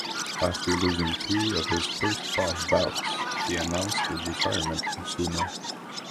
After losing three of his first five bouts he announced his retirement from sumo.